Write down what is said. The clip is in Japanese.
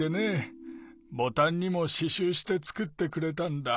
ボタンにもししゅうしてつくってくれたんだ。